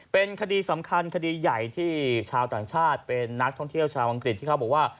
เป็นคดีสำคัญคดีใหญ่ที่ชาวต่างชาติเป็นนักท่องเที่ยวชาวอังกฤษที่เขาบอกว่า